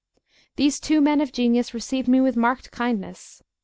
These two men of genius received me with marked kindness.